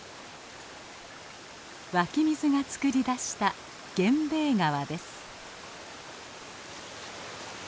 湧き水がつくり出した源兵衛川です。